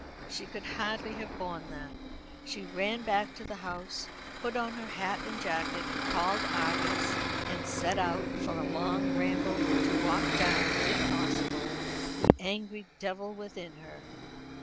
She could hardly have borne that. She ran back to the house, put on her hat and jacket, called Argus, and set out for along ramble, to walk down, if possible, the angry devil within her.